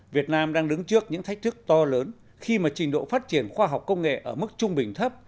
việt nam đang đứng trước những thách thức to lớn khi mà trình độ phát triển khoa học công nghệ ở mức trung bình thấp